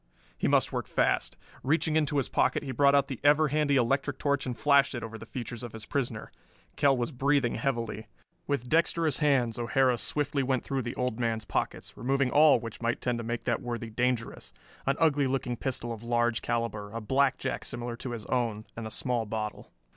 He must work fast. Reaching into his pocket he brought out the ever handy electric torch and flashed it over the features of his prisoner. Kell was breathing heavily. With dexterous hands O'Hara swiftly went through the old man's pockets, removing all which might tend to make that worthy dangerous an ugly looking pistol of large caliber, a blackjack similar to his own and a small bottle.